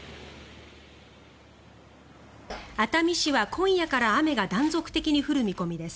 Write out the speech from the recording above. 熱海市は今夜から雨が断続的に降る見込みです。